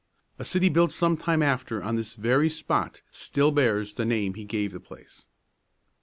A city built some time after on this very spot still bears the name he gave the place.